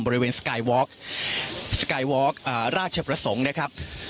บริเวณสไกยวอร์กสไกยวอร์กราชประสงค์นะครับ